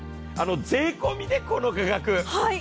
税込みでこの価格。